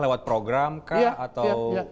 lewat program kak iya iya